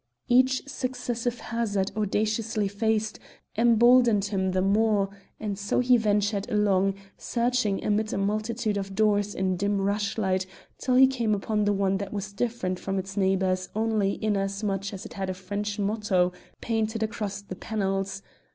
Each successive hazard audaciously faced emboldened him the more; and so he ventured along, searching amid a multitude of doors in dim rushlight till he came upon one that was different from its neighbours only inasmuch as it had a French motto painted across the panels.